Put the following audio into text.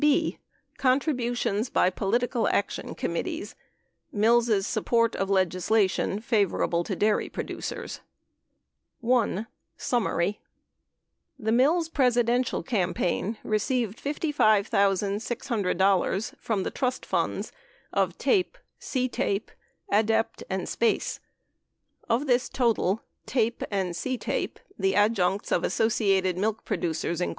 B. Contributions bt Political Action Committees — Mills' Support of Legislation Favorable to Dairy Producers 1. SUMMARY The Mills Presidential campaign received $55,600 from the trust funds of TAPE, CTAPE, ADEPT, and SPACE. 9 Of this total, TAPE and CTAPE (the adjuncts of Associated Milk Producers, Inc.)